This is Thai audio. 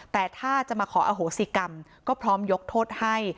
แต่ถ้าจะมาขออโหสิกรรมก็พร้อมยกโทษให้